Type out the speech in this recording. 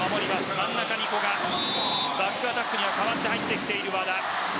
真ん中に古賀バックアタックには代わって入っている和田。